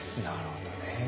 なるほどね。